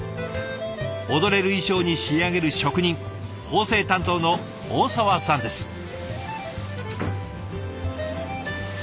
踊れる衣裳に仕上げる職人縫製担当の大澤さんです。